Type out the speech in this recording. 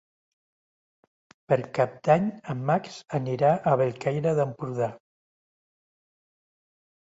Per Cap d'Any en Max anirà a Bellcaire d'Empordà.